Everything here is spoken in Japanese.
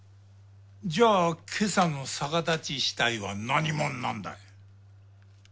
じゃあ今朝の逆立ち死体は何もんなんだい？